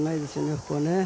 ここはね。